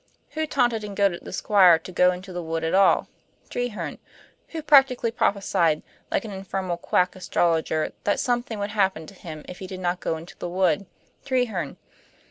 Who taunted and goaded the Squire to go into the wood at all? Treherne. Who practically prophesied, like an infernal quack astrologer, that something would happen to him if he did go into the wood? Treherne.